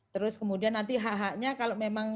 terus kemudian nanti hak haknya kalau memang